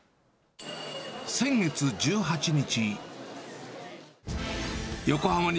先月１８日。